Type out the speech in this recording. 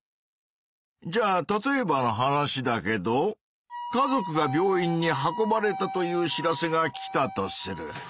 じゃあ例えばの話だけど家族が病院に運ばれたという知らせが来たとする。